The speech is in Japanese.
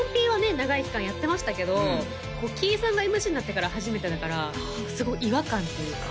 長い期間やってましたけどキイさんがＭＣになってから初めてだからすごい違和感というか